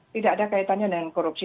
tidak ada kaitannya dengan korupsi